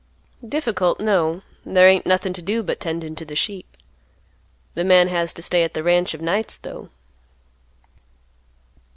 "Difficult, no; there ain't nothing to do but tendin' to the sheep. The man has to stay at the ranch of nights, though."